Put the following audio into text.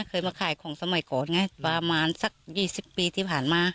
เคยมาขายของสมัยก่อนไงประมาณสัก๒๐ปีที่ผ่านมา